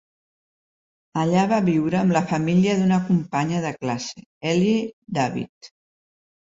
Allà va viure amb la família d'una companya de classe, Elie David.